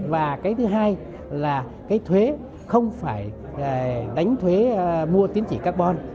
và thứ hai là thuế không phải đánh thuế mua tiến trị carbon